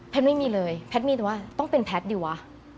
ไม่มีเลยแพทย์มีแต่ว่าต้องเป็นแพทย์ดีวะ